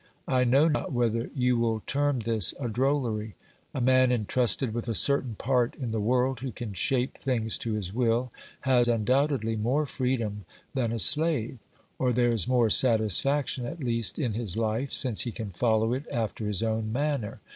I know not whether you will term this a drollery. A man entrusted with a certain part in the world, who can shape things to his will, has undoubtedly more freedom than a slave, or there is more satisfaction at least in his life, since he can follow it after his own manner.